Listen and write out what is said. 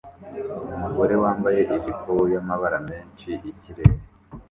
Umugore wambaye ijipo yamabara menshi ikirere